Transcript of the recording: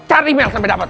cari mel sampai dapet